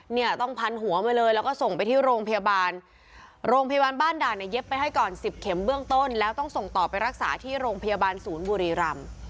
เนี่ยต้องพันหัวมาเลยแล้วก็ส่งไปที่โรงพยาบาลโรงพยาบาลบ้านด่านเนี่ยเย็บไปให้ก่อนสิบเข็มเบื้องต้นแล้วต้องส่งต่อไปรักษาที่โรงพยาบาลศูนย์บุรีรำ